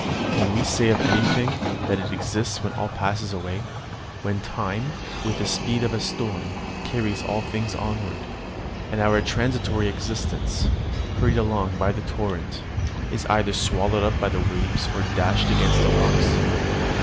Can we say of anything that it exists when all passes away, when time, with the speed of a storm, carries all things onward, and our transitory existence, hurried along by the torrent, is either swallowed up by the waves or dashed against the rocks?